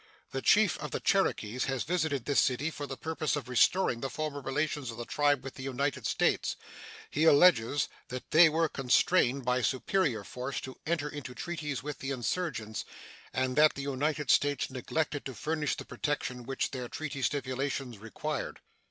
The chief of the Cherokees has visited this city for the purpose of restoring the former relations of the tribe with the United States. He alleges that they were constrained by superior force to enter into treaties with the insurgents, and that the United States neglected to furnish the protection which their treaty stipulations required.